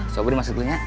sobri masuk dulu ya